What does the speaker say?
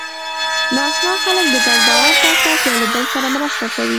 ناآشنا خلک د ګډ باور په اساس له یوه بل سره مرسته کوي.